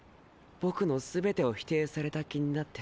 僕の全てを否定された気になって。